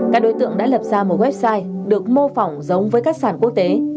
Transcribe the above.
các đối tượng đã lập ra một website được mô phỏng giống với các sản quốc tế